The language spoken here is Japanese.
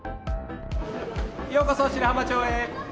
ようこそ白浜町へ。